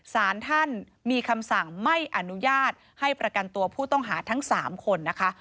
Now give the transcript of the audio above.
สารท่านมีคำสั่งไม่อนุญาตให้ประกันตัวผู้ต้องหาทั้ง๓คนนะคะ